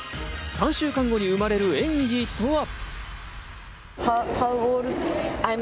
３週間後に生まれる演技とは？